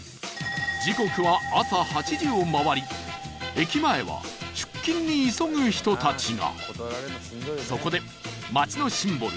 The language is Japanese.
時刻は、朝８時を回り駅前は、出勤に急ぐ人たちがそこで、町のシンボル